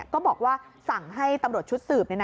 ก็บอกว่าสั่งให้ตำรวจชุดสืบ